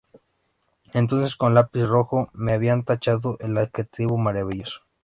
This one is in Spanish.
Entonces, con lápiz rojo me habían tachado el adjetivo 'maravilloso'.